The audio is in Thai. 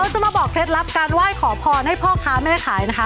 จะมาบอกเคล็ดลับการไหว้ขอพรให้พ่อค้าแม่ขายนะคะ